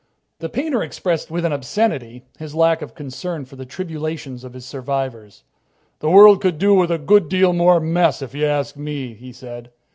The painter expressed with an obscenity his lack of concern for the tribulations of his survivors. "The world could do with a good deal more mess, if you ask me," he said.